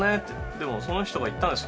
でもその人が言ったんです